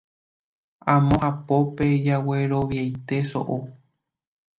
amo hapópe jagueroviaite so'o.